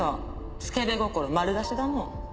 スケベ心丸出しだもん。